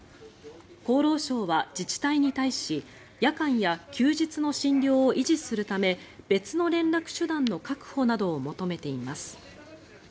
厚労省は自治体に対し夜間や休日の診療を維持するため別の連絡手段の確保などを求めています。